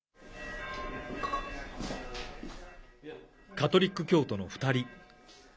カトリック教徒の２人。